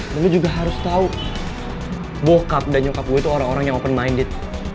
dan lu juga harus tau bokap dan nyokap gue itu orang orang yang open minded